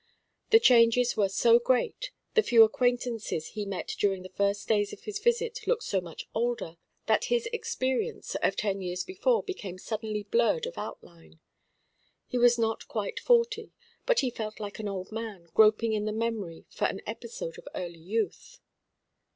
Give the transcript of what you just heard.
The changes were so great, the few acquaintances he met during the first days of his visit looked so much older, that his experience of ten years before became suddenly blurred of outline. He was not quite forty; but he felt like an old man groping in his memory for an episode of early youth.